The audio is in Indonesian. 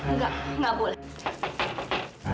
enggak nggak boleh